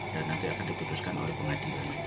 dan nanti akan diputuskan oleh pengadilan